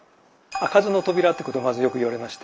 「開かずの扉」ってことをまずよく言われまして。